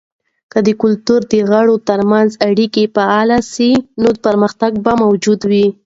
که د کلتور د غړو ترمنځ اړیکې فعاله سي، نو پرمختګ به موجود وي.